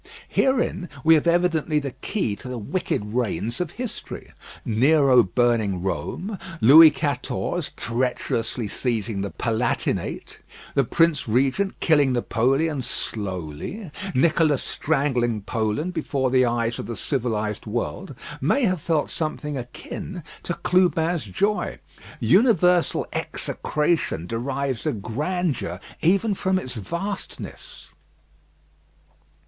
Herein we have evidently the key to the wicked reigns of history. Nero burning Rome, Louis Quatorze treacherously seizing the Palatinate, the Prince Regent killing Napoleon slowly, Nicholas strangling Poland before the eyes of the civilised world, may have felt something akin to Clubin's joy. Universal execration derives a grandeur even from its vastness.